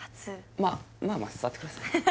まあまあ座ってください